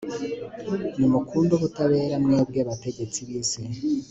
nimukunde ubutabera, mwebwe bategetsi b'isi